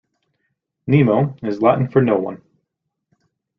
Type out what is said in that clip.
'Nemo' is Latin for no one.